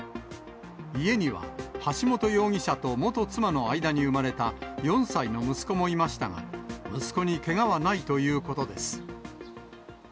家には橋本容疑者と元妻の間に生まれた４歳の息子もいましたが、息子にけがはないということです。